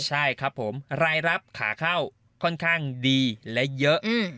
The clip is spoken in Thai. ใช่ครับผมรายรับขาเข้าค่อนข้างดีและเยอะ